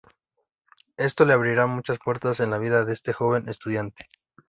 Esto le abrirá muchas puertas en la vida de este joven estudiante.